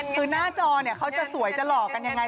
คือหน้าจอเนี่ยเขาจะสวยจะหล่อกันยังไง